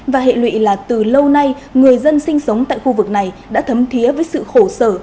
và hệ lụy là từ lâu nay người dân sinh sống tại khu vực này đã thấm thiế với sự khổ sở